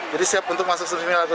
jadi siap untuk masuk semisal ya